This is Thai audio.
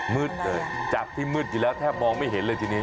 มืดเลยจากที่มืดอยู่แล้วแทบมองไม่เห็นเลยทีนี้